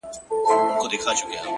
سـتـــا خــبــــــري دي”